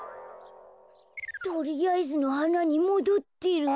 とりあえずのはなにもどってる。